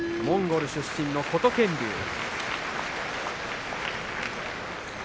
モンゴル出身の琴挙龍。